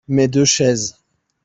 Mes deux chaises.